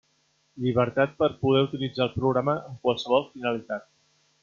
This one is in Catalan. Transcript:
Llibertat per poder utilitzar el programa amb qualsevol finalitat.